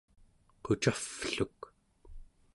qucavvluk